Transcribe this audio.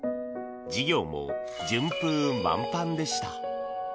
事業も順風満帆でした。